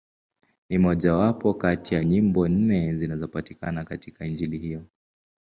Ni mmojawapo kati ya nyimbo nne zinazopatikana katika Injili hiyo.